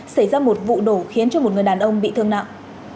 xảy ra một vụ nổ khiến cho một người đàn ông bị thương nặng